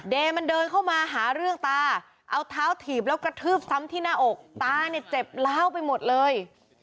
เดมันเดินเข้ามาหาเรื่องตาเอาเท้าถีบแล้วกระทืบซ้ำที่หน้าอกตาเนี่ยเจ็บล้าวไปหมดเลย